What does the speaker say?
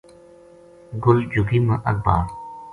گل جھُگی ما اگ بال